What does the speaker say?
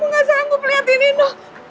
kamu gak sanggup liat ini noh